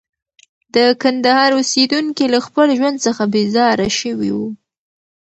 د کندهار اوسېدونکي له خپل ژوند څخه بېزاره شوي وو.